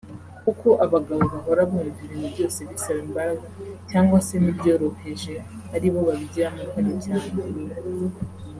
Kuko abagabo bahora bumva ibintu byose bisaba imbaraga cyangwa se n’ibyoroheje ari bo babigiramo uruhare cyane